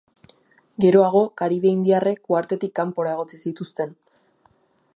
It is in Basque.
Geroago, karibe indiarrek uhartetik kanpora egotzi zituzten.